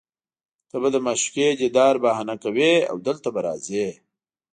ته به د معشوقې دیدار بهانه کوې او دلته به راځې